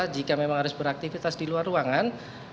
jika memang harus beraktivitas di luar ruangan